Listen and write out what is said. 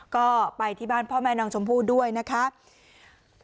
ก็ไปที่บ้านพ่อแม่น้องชมพู่ด้วยนะคะ